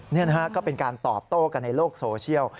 นี่นะฮะก็เป็นการตอบโต้กันในโลกโซเชียล